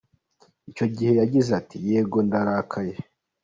Icyo gihe yagize ati "Yego, Ndarakaye.